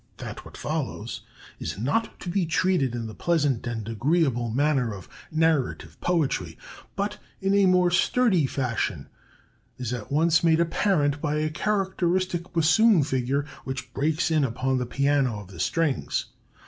That what follows is not to be treated in the pleasant and agreeable manner of narrative poetry, but in a more sturdy fashion, is at once made apparent by a characteristic bassoon figure which breaks in upon the piano of the strings.